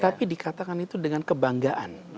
tapi dikatakan itu dengan kebanggaan